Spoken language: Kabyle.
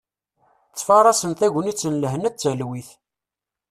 Ttfarasen tagnit n lehna d talwit.